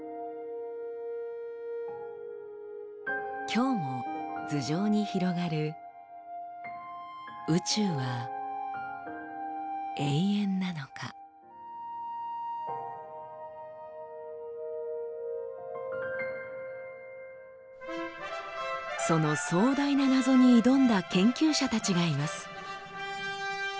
今日も頭上に広がるその壮大な謎に挑んだ研究者たちがいます。